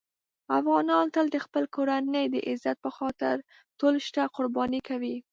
افغانان تل د خپل کور کورنۍ د عزت په خاطر ټول شته قرباني کوي.